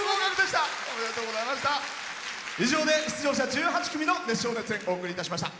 以上で出場者１８組の熱唱・熱演お送りいたしました。